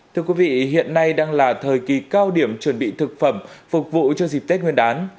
thưa quý vị hiện nay đang là thời kỳ cao điểm chuẩn bị thực phẩm phục vụ cho dịp tết nguyên đán